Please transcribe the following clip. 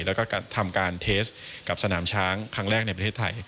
แล้วก็ทำการเทสกับสนามช้างครั้งแรกในประเทศไทย